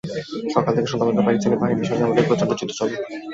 সকাল থেকে সন্ধ্যা পর্যন্ত পাকিস্তানি বাহিনীর সঙ্গে আমাদের প্রচণ্ড যুদ্ধ চলে।